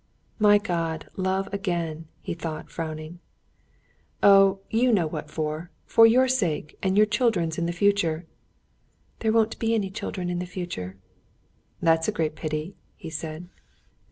"My God! love again," he thought, frowning. "Oh, you know what for; for your sake and your children's in the future." "There won't be children in the future." "That's a great pity," he said.